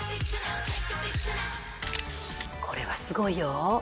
これはすごいよ。